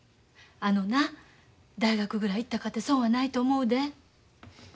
あのな大学ぐらい行ったかて損はないと思うで。